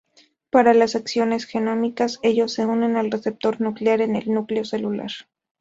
Para las acciones genómicas, ellos se unen al receptor nuclear en el núcleo celular.